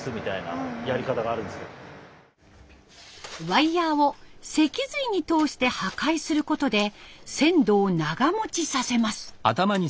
ワイヤーを脊髄に通して破壊することで鮮度を長もちさせます。